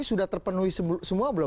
sudah terpenuhi semua belum